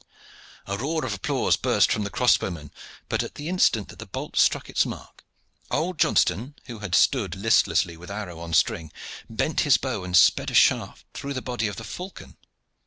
A roar of applause burst from the crossbowmen; but at the instant that the bolt struck its mark old Johnston, who had stood listlessly with arrow on string, bent his bow and sped a shaft through the body of the falcon.